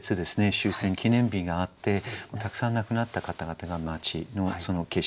終戦記念日があってたくさん亡くなった方々が街のその景色